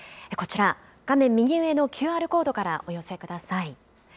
こちら、画面右上のＱＲコードからお寄せください。